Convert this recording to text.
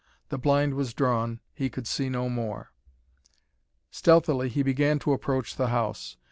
The blind was drawn, he could see no more. Stealthily he began to approach the house.